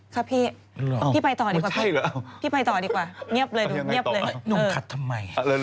ครับพี่พี่ไปต่อดีกว่า